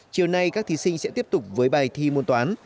chiều nay các thí sinh sẽ tiếp tục với bài thi môn toán